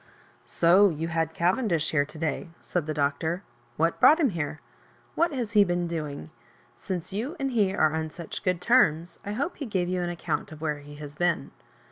*' So you had Cavendish here to day 7 " said the Doctor. ''What brought him here ? What has he been doing 7 Since you and he are on such good terms, I hope he gave you an account of where he has been."